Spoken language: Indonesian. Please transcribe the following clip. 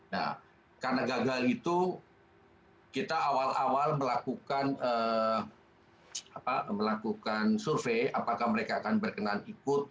nah karena gagal itu kita awal awal melakukan survei apakah mereka akan berkenan ikut